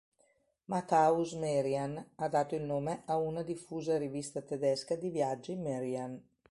Matthäus Merian ha dato il nome a una diffusa rivista tedesca di viaggi "Merian".